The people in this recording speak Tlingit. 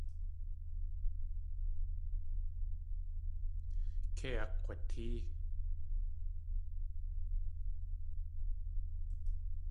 Kei akg̲watée.